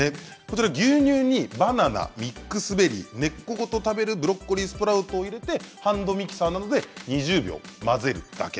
牛乳にバナナ、ミックスベリー根っこごと食べるブロッコリースプラウトを入れてハンドミキサーなどで２０秒混ぜるだけ。